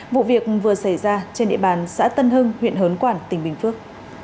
vụ việc vừa xảy ra trên địa bàn xã tân hưng huyện hớn quản tỉnh bình phước